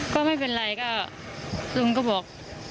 ก็ไม่เป็นไรก็ลุงก็บอก